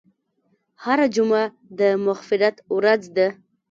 هره جمعه د مغفرت ورځ ده.